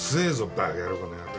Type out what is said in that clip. バカ野郎この野郎。